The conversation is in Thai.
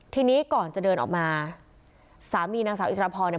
ทีนี้ก่อนจะเดินออกมาสามีนางสาวอิสรพรเนี่ย